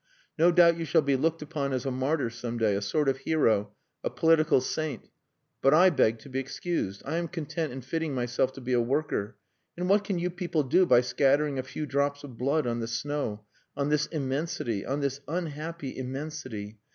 No doubt you shall be looked upon as a martyr some day a sort of hero a political saint. But I beg to be excused. I am content in fitting myself to be a worker. And what can you people do by scattering a few drops of blood on the snow? On this Immensity. On this unhappy Immensity!